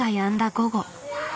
午後。